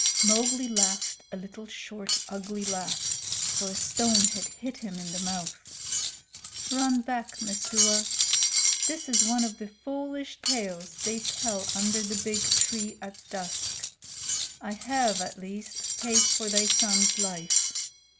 Mowgli laughed a little short ugly laugh, for a stone had hit him in the mouth. "Run back, Messua. This is one of the foolish tales they tell under the big tree at dusk. I have at least paid for thy son's life.